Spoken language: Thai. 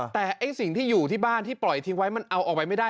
แต่ไอ้สิ่งที่อยู่ที่บ้านที่ปล่อยทิ้งไว้มันเอาออกไปไม่ได้